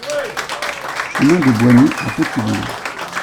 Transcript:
Chemin de Boynest à Petit-Bourg